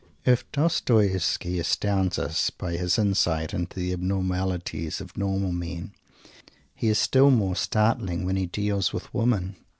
If Dostoievsky astounds us by his insight into the abnormalities of "normal" men, he is still more startling when he deals with women.